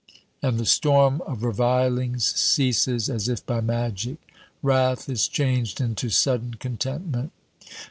And the storm of revilings ceases as if by magic. Wrath is changed into sudden contentment.